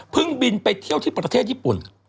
บินไปเที่ยวที่ประเทศญี่ปุ่น